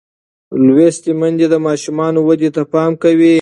لوستې میندې د ماشوم ودې ته پام کوي.